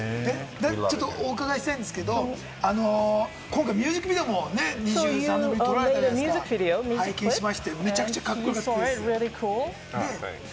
お伺いしたいんですけれども、今回、ミュージックビデオもね、撮られたじゃないですか、拝見しまして、めちゃくちゃカッコよかったです。